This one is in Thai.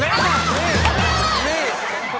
นี่